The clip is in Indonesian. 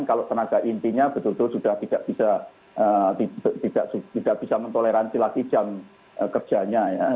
kalau tenaga intinya betul betul sudah tidak bisa mentoleransi lagi jam kerjanya ya